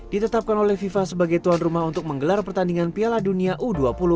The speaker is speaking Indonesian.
ditetapkan oleh fifa sebagai tuan rumah untuk menggelar pertandingan piala dunia u dua puluh